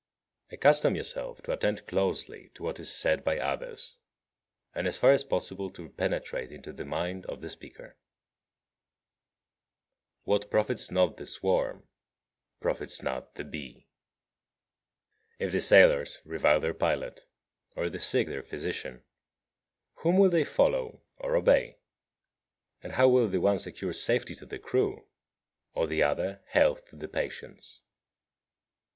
53. Accustom yourself to attend closely to what is said by others, and as far as possible to penetrate into the mind of the speaker. 54. What profits not the swarm profits not the bee. 55. If the sailors revile their pilot, or the sick their physician, whom will they follow or obey? And how will the one secure safety to the crew, or the other health to the patients?